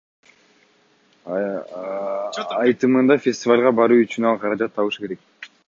Айтымында, фестивалга баруу үчүн ал каражат табышы керек.